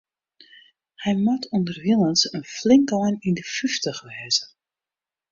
Hy moat ûnderwilens in flink ein yn de fyftich wêze.